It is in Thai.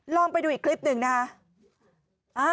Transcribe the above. ลองไปดูอีกคลิปหนึ่งนะคะ